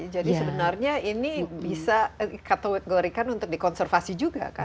jadi sebenarnya ini bisa dikategorikan untuk dikonservasi juga kan